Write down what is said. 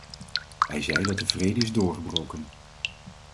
Hij zei dat de vrede is doorgebroken.